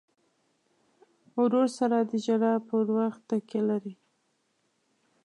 ورور سره د ژړا پر وخت تکیه لرې.